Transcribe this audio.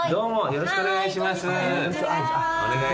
よろしくお願いします。